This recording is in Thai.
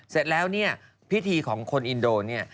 เสร็จแล้วเนี่ยพิธีของคนอินโดเนี่ย